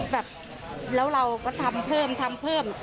แบบแล้วเราก็ทำเพิ่ม